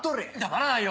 黙らないよ！